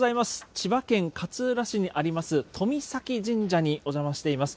千葉県勝浦市にありますとみさき神社にお邪魔しています。